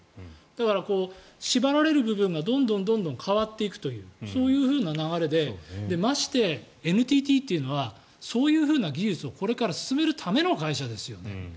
だから、縛られる部分がどんどん変わっていくというそういうふうな流れでまして、ＮＴＴというのはそういう技術をこれから進めるための会社ですよね。